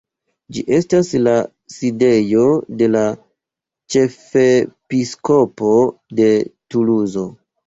Ĝi estas la sidejo de la Ĉefepiskopo de Tuluzo.